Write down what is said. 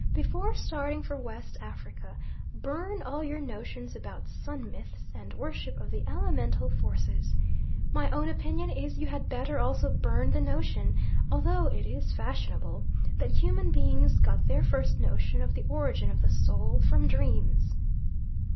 Before starting for West Africa, burn all your notions about sun myths and worship of the elemental forces. My own opinion is you had better also burn the notion, although it is fashionable, that human beings got their first notion of the origin of the soul from dreams.